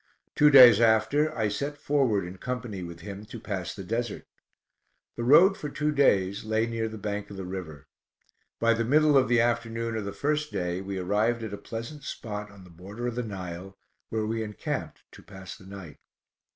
Two days after I set forward in company with him to pass the Desert. The road for two days lay near the bank of the river. By the middle of the afternoon of the first day we arrived at a pleasant spot on the border of the Nile, where we encamped to pass the night.